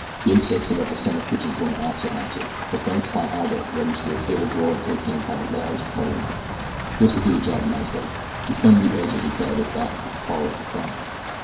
Dink searched about the summer kitchen for an ax or hatchet; but failing to find either rummaged through a table drawer until he came upon a large carving knife. This would do the job nicely. He thumbed the edge as he carried it back into the parlor to Crumb.